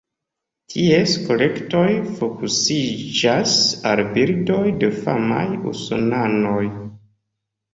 Ties kolektoj fokusiĝas al bildoj de famaj usonanoj.